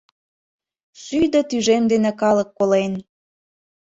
Шӱдӧ тӱжем дене калык колен.